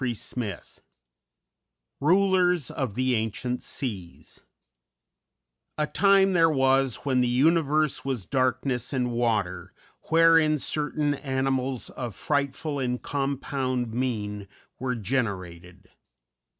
] IV RULERS OF THE ANCIENT SEAS "_A time there was when the universe was darkness and water, wherein certain animals of frightful and compound mien were generated.